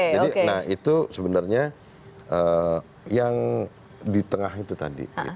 jadi nah itu sebenarnya yang di tengah itu tadi